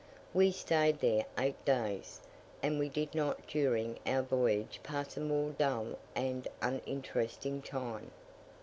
We stayed there eight days; and we did not during our voyage pass a more dull and uninteresting time.